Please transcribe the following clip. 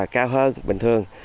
cao hơn bình thường